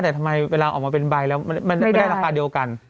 แต่ทำไมเวลาออกมาเป็นใบแล้วมันไม่ได้ราคาเดียวกัน